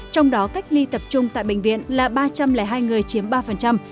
trong đó cách ly tập trung tại bệnh viện là ba trăm linh hai người chiếm ba